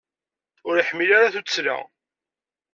Ur iḥmil ara tuttla.